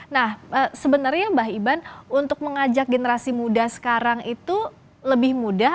nah sebenarnya mbak iban untuk mengajak generasi muda sekarang itu lebih mudah